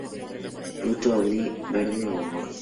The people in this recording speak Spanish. Fruto oblongo a ovoide, verde o rojizo.